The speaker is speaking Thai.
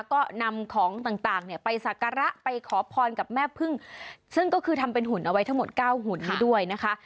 ก็นำของต่างเนี่ยไปสักการะไปขอพรกับแม่พึ่งซึ่งก็คือทำเป็นหุ่นเอาไว้ทั้งหมดเก้าหุ่นนี้ด้วยนะคะ